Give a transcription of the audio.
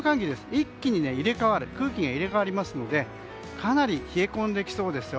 一気に空気が入れ替わりますのでかなり冷え込んできそうですよ。